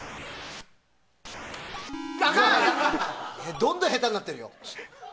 どんどん下手になってるよ。